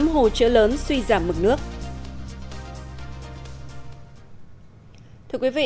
một mươi tám hồ chợ lớn suy giảm mực nước